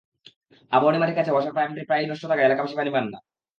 আবাহনী মাঠের কাছে ওয়াসার পাম্পটি প্রায়ই নষ্ট থাকায় এলাকাবাসী পানি পান না।